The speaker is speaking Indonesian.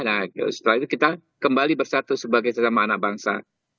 nah setelah itu kita kembali bersatu sebagai sesama anak bangsa